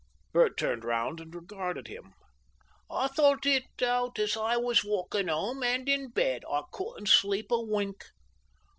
Bert turned round and regarded him. "I thought it out as I was walking 'ome, and in bed. I couldn't sleep a wink."